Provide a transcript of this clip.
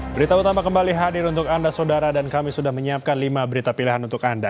berita utama kembali hadir untuk anda saudara dan kami sudah menyiapkan lima berita pilihan untuk anda